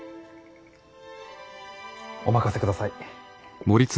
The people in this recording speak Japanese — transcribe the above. お任せください。